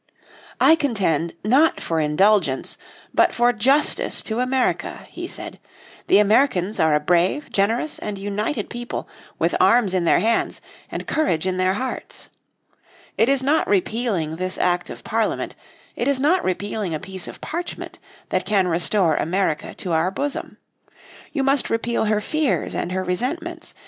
"I contend, not for indulgence, but for justice to America," he said. "The Americans are a brave, generous and united people, with arms in their hands, and courage in their hearts. It is not repealing this act of Parliament, it is not repealing a piece of parchment, that can restore America to our bosom. You must repeal her fears and her resentments.